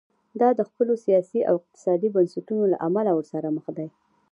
دا د خپلو سیاسي او اقتصادي بنسټونو له امله ورسره مخ دي.